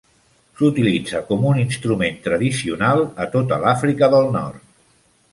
S'utilitza com un instrument tradicional a tota l'Àfrica del Nord.